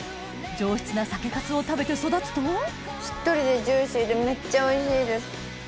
上質な酒かすを食べて育つとしっとりでジューシーでめっちゃおいしいです。